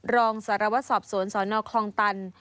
รองสารวสอบสวนศรคลองตัน